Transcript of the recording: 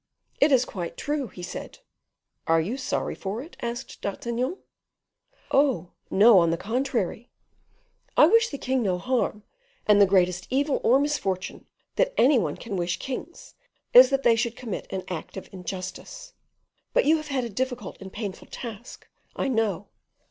"It is quite true," he said. "Are you sorry for it?" asked D'Artagnan. "Oh, no, on the contrary. I wish the king no harm; and the greatest evil or misfortune that any one can wish kings, is that they should commit an act of injustice. But you have had a difficult and painful task, I know.